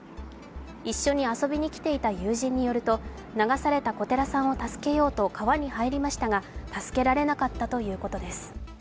一緒に遊びに来ていた友人によると流された小寺さんを助けようと川に入りましたが助けられなかったということです。